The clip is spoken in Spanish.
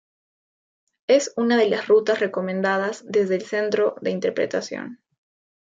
Es una de las rutas recomendadas desde el centro de interpretación.